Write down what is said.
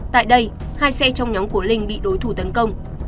tại đây hai xe trong nhóm của linh bị đối thủ tấn công